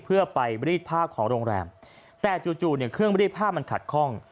เพื่อไปรีดผ้าของโรงแรมแต่จู่เนี่ยเครื่องรีดผ้ามันขัดข้อง